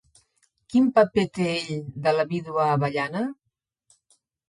Quin paper té ell de la vídua Avellana?